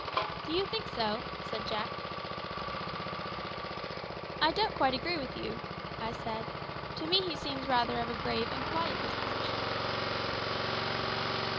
"Do you think so?" said Jack. "I don't agree with you," said I; "to me he seems rather of a grave and quiet disposition."